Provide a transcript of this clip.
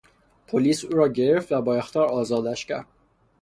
پلیس او را گرفت و با اخطار آزادش کرد.